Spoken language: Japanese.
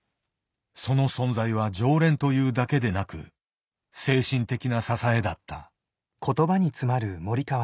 その存在は常連というだけでなく精神的な支えだった。